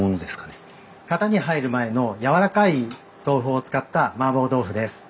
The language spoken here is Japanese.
型に入る前のやわらかい豆腐を使った麻婆豆腐です。